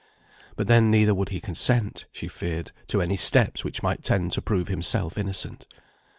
But then neither would he consent, she feared, to any steps which might tend to prove himself innocent.